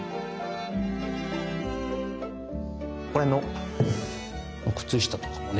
ここら辺の靴下とかもね